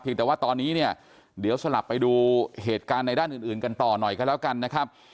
แต่ว่าตอนนี้เนี่ยเดี๋ยวสลับไปดูเหตุการณ์ในด้านอื่นกันต่อหน่อยกันแล้วกันนะครับ